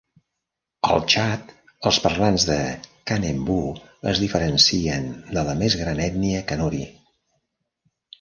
Al Chad, els parlants de Kanembu es diferencien de la més gran ètnia Kanuri.